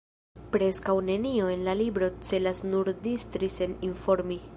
Preskaŭ nenio en la libro celas nur distri sen informi.